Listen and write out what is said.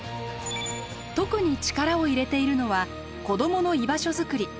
特に力を入れているのは子どもの居場所作り。